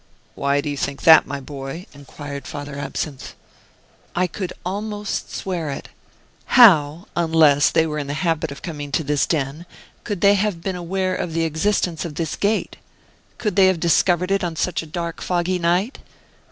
"Why do you think that, my boy?" inquired Father Absinthe. "I could almost swear it. How, unless they were in the habit of coming to this den, could they have been aware of the existence of this gate? Could they have discovered it on such a dark, foggy night?